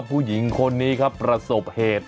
ผู้หญิงคนนี้ครับประสบเหตุ